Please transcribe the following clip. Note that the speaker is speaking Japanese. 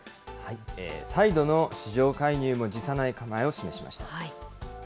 再度の市場介入も辞さない構えを示しました。